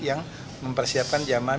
yang mempersiapkan jamaah